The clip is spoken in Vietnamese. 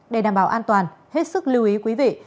để đảm bảo an toàn hết sức lưu ý quý vị